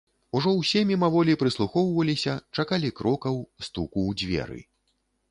Ужо ўсе мімаволі прыслухоўваліся, чакалі крокаў, стуку ў дзверы.